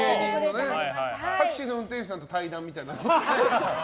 タクシーの運転手さんと対談みたいなのは？